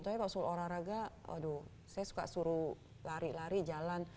tapi kalau suruh olahraga aduh saya suka suruh lari lari jalan